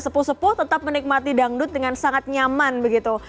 sepuh sepuh tetap menikmati dangdut dengan sangat nyaman begitu